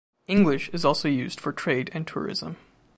English is also used for trade and tourism.